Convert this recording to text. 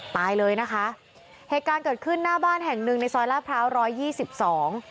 ตายเลยนะคะเหตุการณ์เกิดขึ้นหน้าบ้านแห่งหนึ่งในซอยลาดพร้าวร้อยยี่สิบสอง